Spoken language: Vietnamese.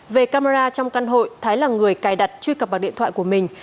về camera trong căn hội thái là người cài đặt truy cập vào điện thoại của mình